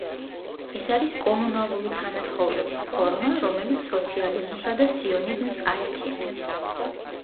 ეს არის კომუნალური თანაცხოვრების ფორმა, რომელიც სოციალიზმსა და სიონიზმს აერთიანებს.